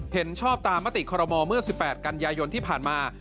เห็นชอบตามมติคอรมอลเมื่อ๑๘กันยายนที่ผ่านมา